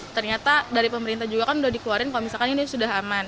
ternyata dari pemerintah juga kan sudah dikeluarin kalau misalkan ini sudah aman